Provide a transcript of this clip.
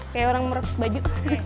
kayak orang meresap baju